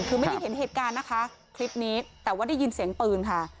คือไม่ได้เห็นเหตุการณ์นะคะคลิปนี้แต่ว่าได้ยินเสียงปืนค่ะ